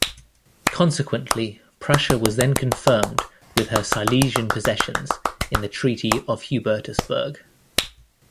Consequently, Prussia was then confirmed with her Silesian possessions in the Treaty of Hubertusburg.